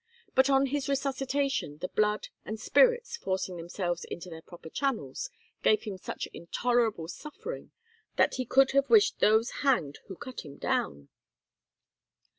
But on his resuscitation the blood and "spirits" forcing themselves into their proper channels gave him such intolerable suffering "that he could have wished those hanged who cut him down."